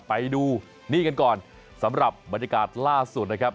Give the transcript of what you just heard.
ไปดูนี่กันก่อนสำหรับบรรยากาศล่าสุดนะครับ